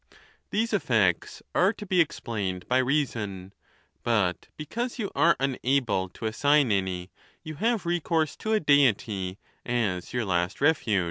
These effects are to be ex plained by reason ; but, because you are unable to assign any, you have recourse to a Deity as your last refuge.